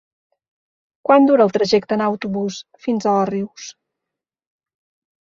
Quant dura el trajecte en autobús fins a Òrrius?